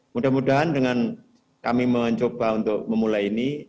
mudah mudahan dengan kami mencoba untuk memulai ini